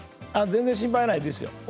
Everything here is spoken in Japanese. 全然心配ないですよ。